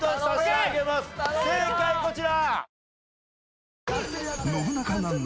正解こちら。